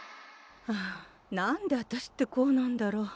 はあ何であたしってこうなんだろう。